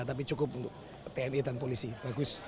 tapi cukup untuk tni dan polisi bagus